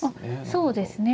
そうですね。